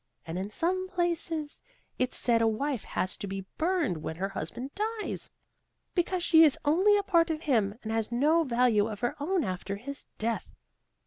And in some places, it said, a wife has to be burned when her husband dies, because she is only a part of him and has no value of her own after his death.